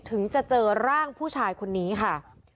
ถึงจะเจอร่างผู้ชายคนนี้ค่ะ